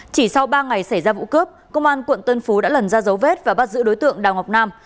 chỉ sau ba ngày xảy ra vụ cướp công an quận tân phú đã lần ra dấu vết và bắt giữ đối tượng đào ngọc nam